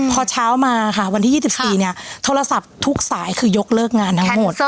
พอเช้ามาวันที่๒๔โทรศัพท์ทุกสายยกเลิกงานทั้งหมด